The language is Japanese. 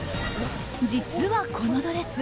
実は、このドレス。